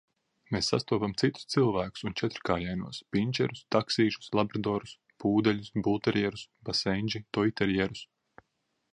Mēs sastopam citus cilvēkus un četrkājainos – pinčerus, taksīšus, labradorus, pūdeļus, bulterjerus, basendži, toiterjerus...